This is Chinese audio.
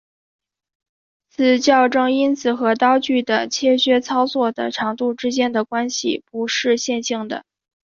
此校正因子和刀具的切削操作的长度之间的关系不是线性的。